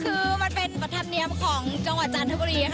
คือมันเป็นประธานเนียมของจังหวัดจันทบุรี